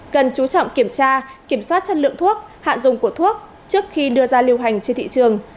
cần chú trọng kiểm tra kiểm soát chất lượng thuốc hạ dùng của thuốc trước khi đưa ra lưu hành trên thị trường